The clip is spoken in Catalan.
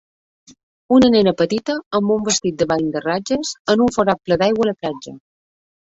Una nena petita amb un vestit de bany de ratlles en un forat ple d'aigua a la platja.